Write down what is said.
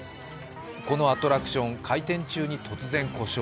このアトラクション、回転中に突然、故障。